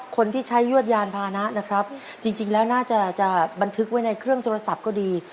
คนที่ใช้ยวดยานพานะนะครับจริงแล้วน่าจะจะบันทึกไว้ในเครื่องโทรศัพท์ก็ดี